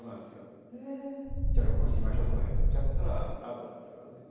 じゃあ録音してみましょうとかやっちゃったらアウトなんですそれはね。